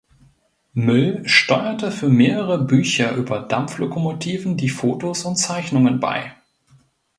Müll steuerte für mehrere Bücher über Dampflokomotiven die Fotos und Zeichnungen bei.